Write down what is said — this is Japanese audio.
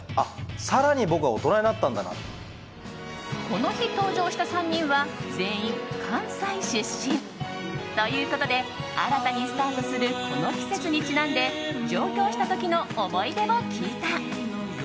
この日、登場した３人は全員、関西出身。ということで新たにスタートするこの季節にちなんで上京した時の思い出を聞いた。